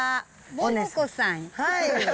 はい。